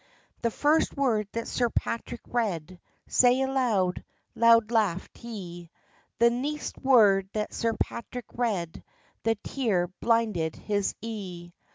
The first word that Sir Patrick read, Sae loud, loud laughed he; The neist word that Sir Patrick read, The tear blinded his ee.